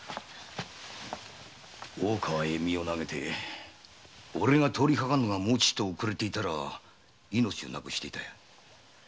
大川へ身を投げておれが通りかかるのがちょっと遅かったら命を亡くしていたよ。